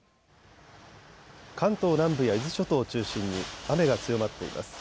関東南部や伊豆諸島を中心に雨が強まっています。